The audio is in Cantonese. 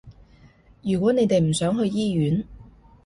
如果你哋唔想去醫院